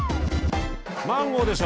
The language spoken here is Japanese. マンゴーでしょ